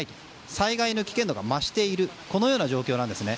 災害の危険度が増しているこのような状況なんです。